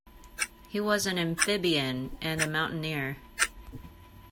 He was an amphibian and a mountaineer.